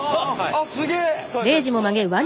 あっすげえ！